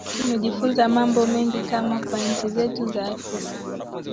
tumejifunza mambo mengi kama kwa nchi zetu za afrika